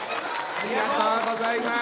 ありがとうございます。